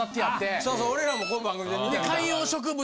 そうそう俺らもこの番組で見てた。